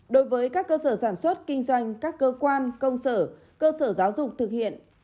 đối với các cơ sở sản xuất kinh doanh các cơ quan công sở cơ sở giáo dục thực hiện